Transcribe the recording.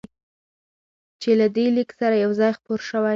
چې له دې لیک سره یو ځای خپور شوی،